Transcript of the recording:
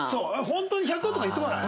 「本当に１００？」とか言ってこない？